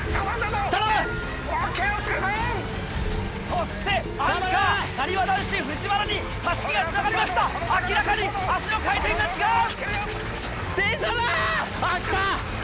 そしてアンカーなにわ男子・藤原に襷がつながりました明らかに足の回転が違う！